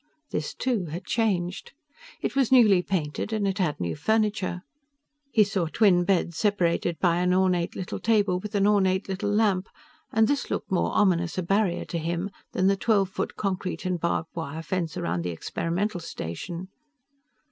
This, too, had changed. It was newly painted and it had new furniture. He saw twin beds separated by an ornate little table with an ornate little lamp, and this looked more ominous a barrier to him than the twelve foot concrete and barbed wire fence around the experimental station.